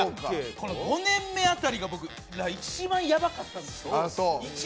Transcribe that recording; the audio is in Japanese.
この５年目あたりが一番やばかったですよ。